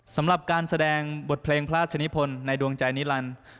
สำหรับการแสดงบทเพลงพระราชนิพลในดวงใจนิรันดิ์